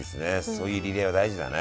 そういうリレーは大事だね。